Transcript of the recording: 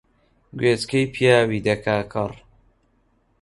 گوێچکەی پیاوی دەکا کەڕ